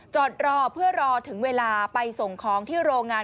จอดรอเพื่อรอถึงเวลาไปส่งของที่โรงงาน